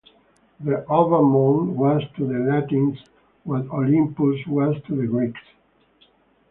The Alban Mount was to the Latins what Olympus was to the Greeks.